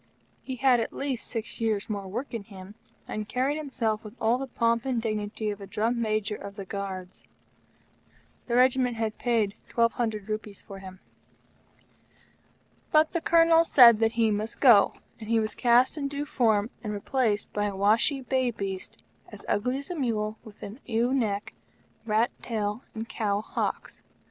He had at least six years' more work in him, and carried himself with all the pomp and dignity of a Drum Major of the Guards. The Regiment had paid Rs. 1,200 for him. But the Colonel said that he must go, and he was cast in due form and replaced by a washy, bay beast as ugly as a mule, with a ewe neck, rat tail, and cow hocks.